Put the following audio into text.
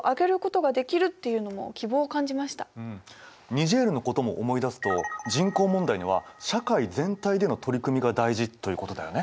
ニジェールのことも思い出すと人口問題では社会全体での取り組みが大事ということだよね。